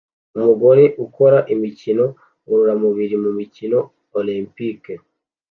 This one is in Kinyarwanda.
Umugore ukora imikino ngororamubiri mu mikino Olempike